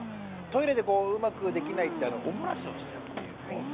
トイレでうまくできないお漏らしをしちゃうという子。